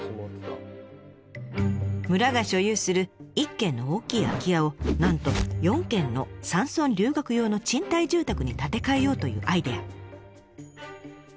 村が所有する１軒の大きい空き家をなんと４軒の山村留学用の賃貸住宅に建て替えようというアイデア。